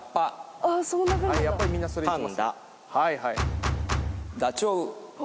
やっぱりみんなそれいきますよ。